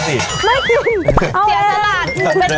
ไม่กิน